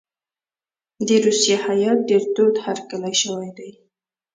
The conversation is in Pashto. د روسیې هیات ډېر تود هرکلی شوی دی.